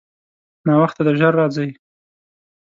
ناوخته دی، ژر راځئ.